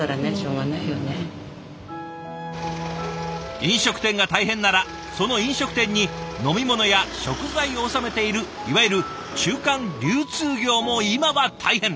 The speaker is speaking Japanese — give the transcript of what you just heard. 飲食店が大変ならその飲食店に飲み物や食材を納めているいわゆる中間流通業も今は大変。